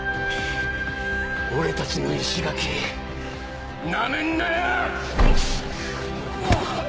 俺たちの石垣ナメんなよ！